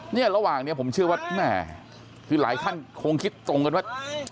เนี่ยระหว่างนี้ผมเชื่อว่าแม่คือหลายท่านคงคิดตรงกันว่า